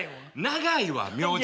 長いわ名字。